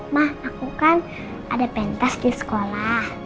mah aku kan ada pentas di sekolah